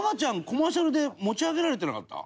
コマーシャルで持ち上げられてなかった？